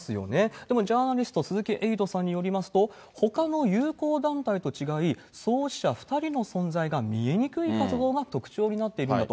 でもジャーナリスト、鈴木エイトさんによりますと、ほかの友好団体と違い、創始者２人の存在が見えにくい活動が特徴になっているんだと。